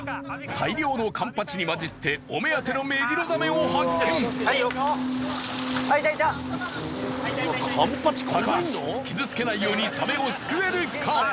大量のカンパチに交じってお目当てのメジロザメを発見橋傷つけないようにサメをすくえるか？